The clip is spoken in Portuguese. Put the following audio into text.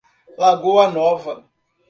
Lagoa Nova